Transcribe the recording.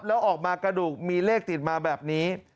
แล้วออกมากระดูกมีเลขติดมาแบบนี้